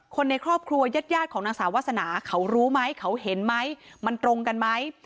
คนในครอบครัวยาดของนางสาววาสนาเขารู้ไหมเขาเห็นไหมมันตรงกันไหม